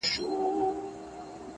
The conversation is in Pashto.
نن له سیوري سره ځمه خپل ګامونه ښخومه٫